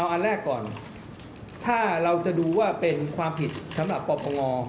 อันแรกก่อนถ้าเราจะดูว่าเป็นความผิดสำหรับปปง